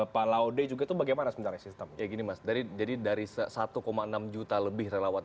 pak laude juga itu bagaimana sebenarnya sistem kayak gini mas dari jadi dari satu enam juta lebih relawan